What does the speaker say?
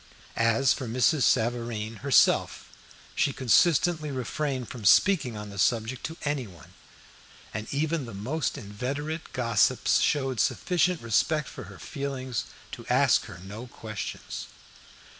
As for Mrs. Savareen herself, she consistently refrained from speaking on the subject to anyone, and even the most inveterate gossips showed sufficient respect for her feelings to ask her no questions.